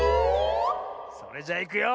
それじゃいくよ。